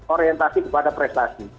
orientasi kepada prestasi